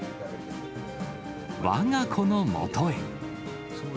わが子のもとへ。